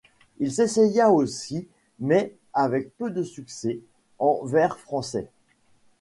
Il s'essaya aussi, mais avec peu de succès, en vers français.